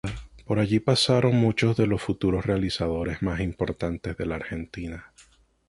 Por allí pasaron muchos de los futuros realizadores más importantes de la Argentina.